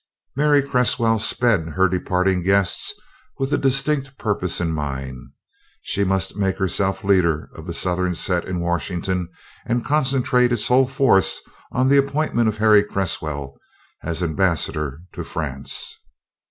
Mary Cresswell sped her departing guests with a distinct purpose in mind. She must make herself leader of the Southern set in Washington and concentrate its whole force on the appointment of Harry Cresswell as ambassador to France.